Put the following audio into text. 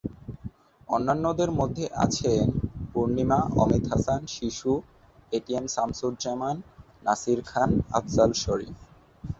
অন্যান্যদের মধ্যে আছেন পূর্ণিমা, অমিত হাসান, শিশু, এটিএম শামসুজ্জামান, নাসির খান, আফজাল শরীফ।